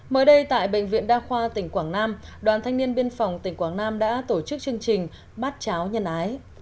mới đây tại bệnh viện đa khoa tỉnh quảng nam đoàn thanh niên biên phòng tỉnh quảng nam đã tổ chức chương trình bát cháo nhân ái